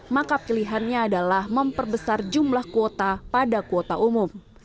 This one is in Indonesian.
maka pilihannya adalah memperbesar jumlah kuota pada kuota umum